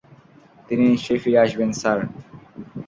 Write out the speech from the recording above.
তিনি নিশ্চয়ই ফিরে আসবেন, স্যার।